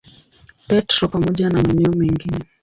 Petro pamoja na maeneo mengine.